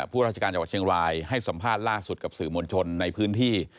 ราชการจังหวัดเชียงรายให้สัมภาษณ์ล่าสุดกับสื่อมวลชนในพื้นที่